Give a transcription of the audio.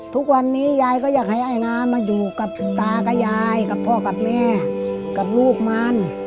ทุกวันนี้ยายก็อยากให้ไอ้น้ำมาอยู่กับตากับยายกับพ่อกับแม่กับลูกมัน